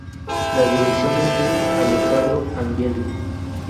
La dirección es de Alessandro Angelini.